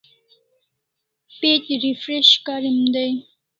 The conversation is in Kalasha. Page refresh karim dai